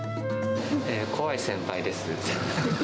怖い先輩です。